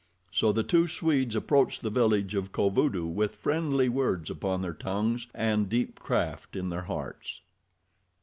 So the two Swedes approached the village of Kovudoo with friendly words upon their tongues and deep craft in their hearts.